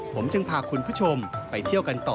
ผมจึงพาคุณผู้ชมไปเที่ยวกันต่อ